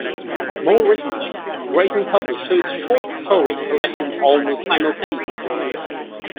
More recently, Grayson published two short story collections almost simultaneously.